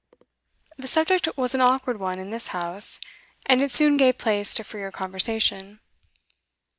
The subject was an awkward one in this house, and it soon gave place to freer conversation.